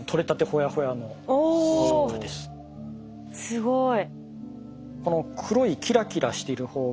すごい。